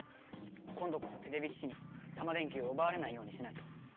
今度こそてれび騎士にタマ電Ｑをうばわれないようにしないと。